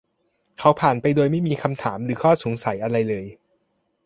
เขาผ่านไปโดยไม่มีคำถามหรืออข้อสงสัยอะไรเลย